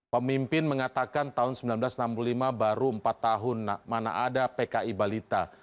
pemimpin mengatakan tahun seribu sembilan ratus enam puluh lima baru empat tahun mana ada pki balita